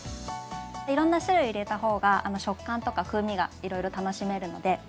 いろんな種類入れた方が食感とか風味がいろいろ楽しめるので。